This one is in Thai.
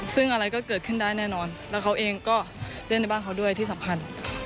ซึ่งอะไรก็เกิดขึ้นได้แน่นอนแล้วเขาเองก็เล่นในบ้านเขาด้วยที่สำคัญ